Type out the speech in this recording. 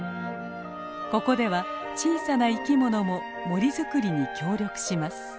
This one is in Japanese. ここでは小さな生き物も森づくりに協力します。